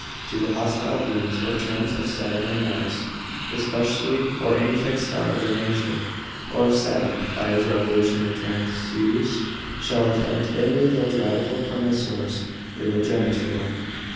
to the hostile beams or terms of &♄ and ♂ especially, or any fixed star of their nature, or if &♄ by his revolution or transitus, shall offend any of those radical promissors in the geniture.